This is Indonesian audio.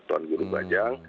tuan guru bajang